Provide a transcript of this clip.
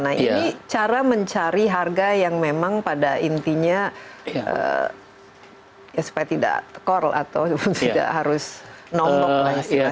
nah ini cara mencari harga yang memang pada intinya ya supaya tidak core atau tidak harus nombok lah istilahnya